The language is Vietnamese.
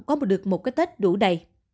có được một cái tết đủ đầy